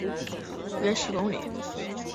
海湾的阔度是约十公里。